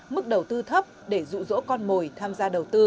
mức đầu tư thấp để rụ rỗ con mồi